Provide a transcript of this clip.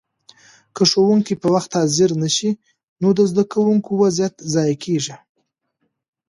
که ښوونکي په وخت حاضر نه شي نو د زده کوونکو وخت ضایع کېږي.